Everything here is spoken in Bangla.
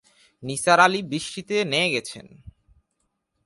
নিসার আলি বৃষ্টিতে নেয়ে গেছেন।